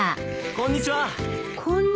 こんにちは。